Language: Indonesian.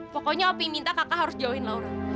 pokoknya api minta kakak harus jauhin laura